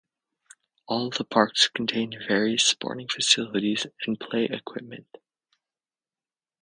All the parks contain various sporting facilities and play equipment.